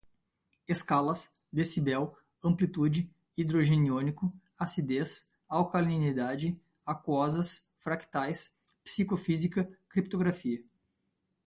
escalas, decibel, amplitude, hidrogeniônico, acidez, alcalinidade, aquosas, fractais, psicofísica, criptografia